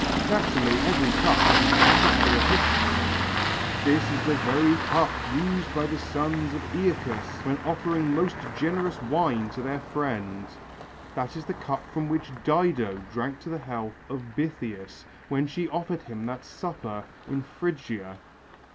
Naturally every cup has its particular history. "This is the very cup used by the sons of Eacus when offering most generous wine to their friend That is the cup from which Dido drank to the health of Bythias when she offered him that supper in Phrygia."